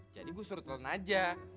jadi gue suruh telen aja